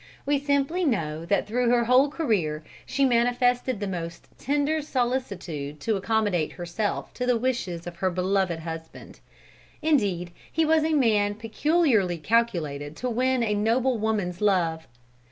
We simply know that through her whole career, she manifested the most tender solicitude to accommodate herself to the wishes of her beloved husband. Indeed he was a man peculiarly calculated to win a noble woman's love.